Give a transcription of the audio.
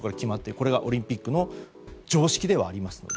これがオリンピックの常識ではありますので。